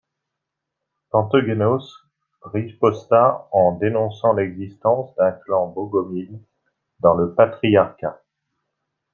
Panteugénos riposta en dénonçant l'existence d'un clan bogomile dans le patriarcat.